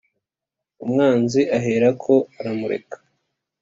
Umwanzi aherako aramureka